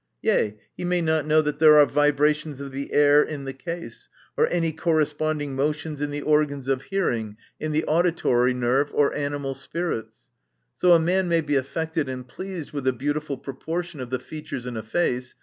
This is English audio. Yea, he may not know, that there are vibrations of the air in the case, or any corresponding motions in the organs of hearing, in the auditory nerve, or animal spirits. — So, a man may be affected and pleased widi a beau tiful proportion of the features in a face.